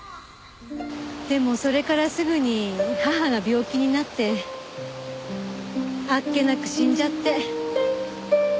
でもそれからすぐに母が病気になってあっけなく死んじゃって。